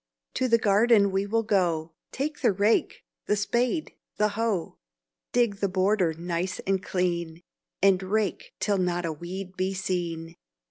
To the garden we will go, Take the rake, the spade, the hoe, Dig the border nice and clean, And rake till not a weed be seen.